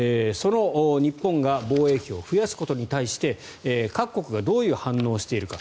日本が防衛費を増やすことに対して各国がどういう反応をしているか。